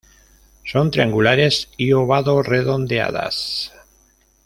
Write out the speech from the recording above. Son triangulares y ovado-redondeadas.